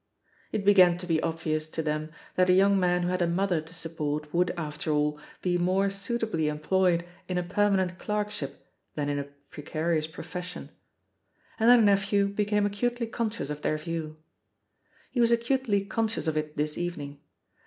It began to be obvious to them that a young man who had a mother to support would. THE POSITION OF PEGGY HARPER 8i after all, be more suitably employed in a perma nent clerkship than in a precarious profession. And their nephew became acutely conscious of their view. He was acutely conscious of it this evening.